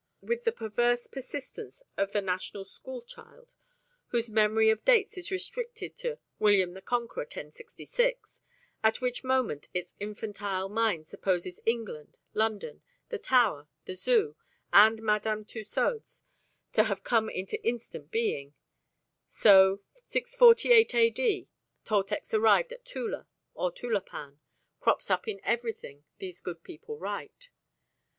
With the perverse persistence of the National School child, whose memory of dates is restricted to "William the Conqueror, 1066," at which moment its infantile mind supposes England, London, the Tower, the Zoo, and Madame Tussaud's to have come into instant being, so "648 A.D. Toltecs arrived at Tula or Tulapan" crops up in everything these good people write.